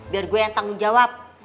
biar gue yang tanggung jawab